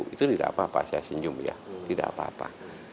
itu tidak apa apa saya senyum ya tidak apa apa